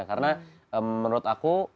karena menurut aku